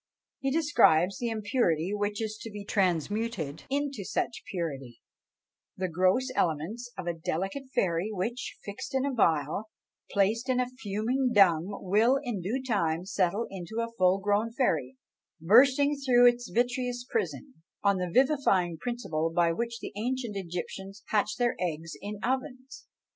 He describes the impurity which is to be transmuted into such purity, the gross elements of a delicate fairy, which, fixed in a phial, placed in fuming dung, will in due time settle into a full grown fairy, bursting through its vitreous prison on the vivifying principle by which the ancient Egyptians hatched their eggs in ovens.